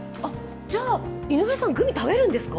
じゃあ井上さん、グミ食べるんですか？